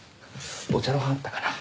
お茶の葉あったかな？